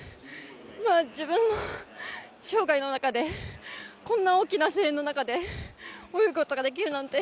自分の生涯の中でこんな大きな声援の中で泳ぐことができるなんて